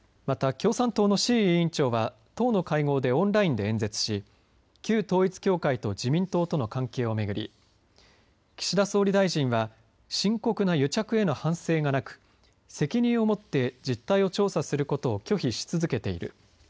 また共産党の志位委員長は党の会合でオンラインで演説し旧統一教会と自民党との関係を巡り岸田総理大臣は深刻な癒着への反省がなく責任をもって実態を調査することを拒否し続けている。